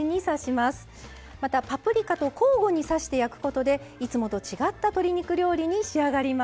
またパプリカと交互に刺して焼くことでいつもと違った鶏肉料理に仕上がります。